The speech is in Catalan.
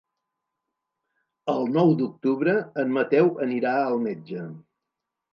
El nou d'octubre en Mateu anirà al metge.